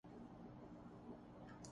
کیا بھارت میں امن ہے؟